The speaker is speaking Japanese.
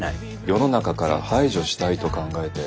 世の中から排除したいと考えて。